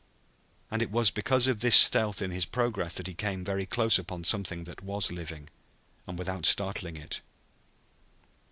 And it was because of this stealth in his progress that he came very close upon something that was living, and without startling it.